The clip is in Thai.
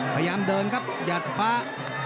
พยายามเดินครับหยัดฟ้า